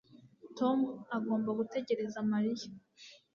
Tom agomba gutegereza Mariya